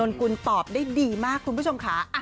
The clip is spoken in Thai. กุลตอบได้ดีมากคุณผู้ชมค่ะ